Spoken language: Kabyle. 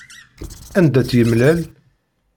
Anda tt-yemlal?